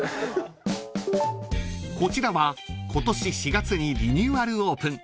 ［こちらは今年４月にリニューアルオープン］